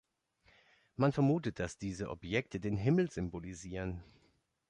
Man vermutet, dass diese Objekte den Himmel symbolisieren.